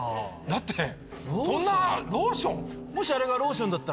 だってそんなローション？